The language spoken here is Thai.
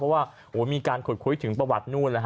เพราะว่ามีการขุดคุยถึงประวัตินู่น